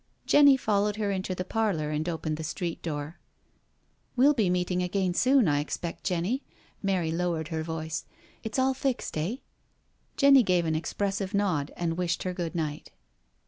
Jenny followed her into the parlour and opened the street door. "We'll be meetinjg again soon, I expect, Jenny." Mary lowered her voice. " It's all fixed, eh?" Jenny gave an expressive nod and wished her good night.